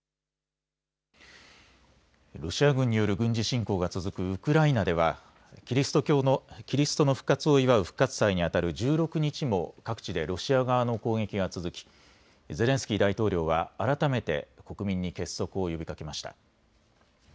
ロシア軍による軍事侵攻が続くウクライナではキリストの復活を祝う復活祭にあたる１６日も各地でロシア側の攻撃が続きゼレンスキー大統領は改めて国民に結束を呼びかけました。